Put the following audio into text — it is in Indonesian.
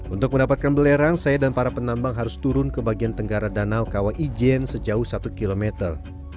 untuk mendapatkan belerang saya dan para penambang harus turun ke bagian tenggara danau kawaijen sejauh satu kilometer